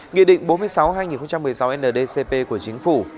nghị định bốn mươi sáu hai nghìn một mươi sáu ndcp của chính phủ